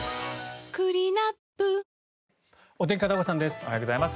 おはようございます。